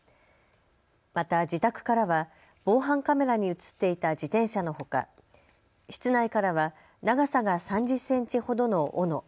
また自宅からは防犯カメラに写っていた自転車のほか室内からは長さが３０センチほどのおの。